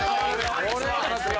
これはさすが！